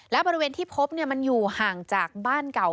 และบริเวณที่พบมันอยู่ห่างจากบ้านเก่า